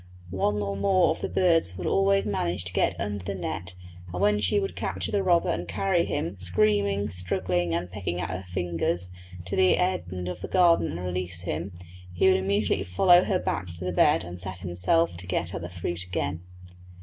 One or more of the birds would always manage to get under the net; and when she would capture the robber and carry him, screaming, struggling and pecking at her fingers, to the end of the garden and release him, he would immediately follow her back to the bed and set himself to get at the fruit again.